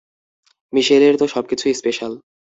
মিশেলের তো সবকিছুই স্পেশাল।